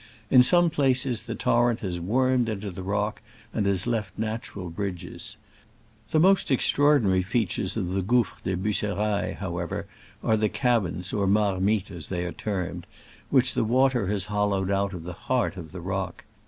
In some places the torrent has wormed into the rock, and has left nat ural bridges. The most extraordinary features of the Gouffre des Busserailles, however, are the caverns (or martniteSt as they are termed) which the water has hollowed out of the heart of the rock.